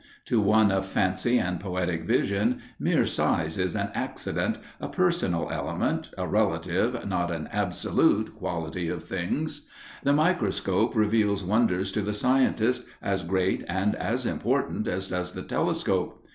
To one of fancy and poetic vision, mere size is an accident, a personal element, a relative, not an absolute quality of things. The microscope reveals wonders to the scientist, as great and as important as does the telescope.